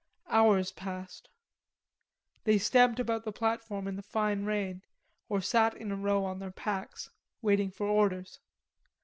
Hours passed. They stamped about the platform in the fine rain or sat in a row on their packs, waiting for orders.